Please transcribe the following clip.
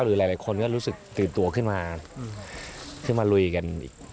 หรือหลายคนก็รู้สึกตื่นตัวขึ้นมาขึ้นมาลุยกันอีก